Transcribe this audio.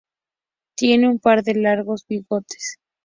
Tienen un par de largos bigotes.